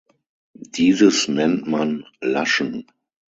Dieses nennt man Laschen.